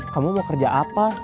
kamu mau kerja apa